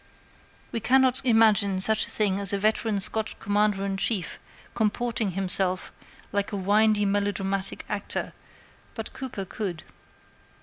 We cannot imagine such a thing as a veteran Scotch Commander in Chief comporting himself in the field like a windy melodramatic actor, but Cooper could.